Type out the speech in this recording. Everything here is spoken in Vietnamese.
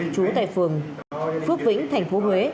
chú tại phường phước vĩnh tp hcm